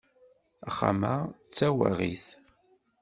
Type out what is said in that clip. Axxam-a d tawaɣit.